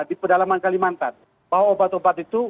di pedalaman kalimantan bahwa obat obat itu